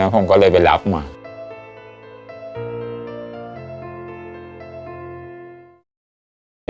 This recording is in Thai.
ผมก็เลยไปรับมา